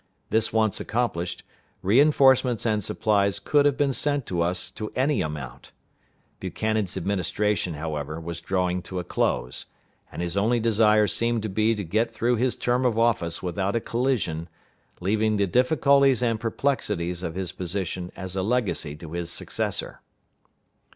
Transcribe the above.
This once accomplished, re enforcements and supplies could have been sent us to any amount. Buchanan's administration, however, was drawing to a close; and his only desire seemed to be to get through his term of office without a collision, leaving the difficulties and perplexities of his position as a legacy to his successor.